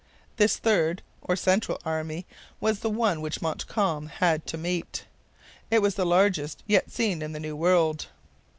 This third, or central, army was the one which Montcalm had to meet. It was the largest yet seen in the New World.